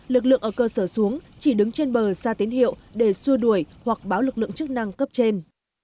lực lượng ở cơ sở xuống chỉ đứng trên bờ xa tín hiệu để xua đuổi hoặc báo lực lượng chức năng cấp trên